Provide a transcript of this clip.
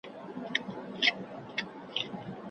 د ادب په تقریباً هره ساحه کي